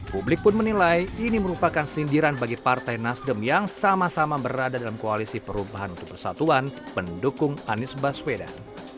publik pun menilai ini merupakan sindiran bagi partai nasdem yang sama sama berada dalam koalisi perubahan untuk persatuan pendukung anies baswedan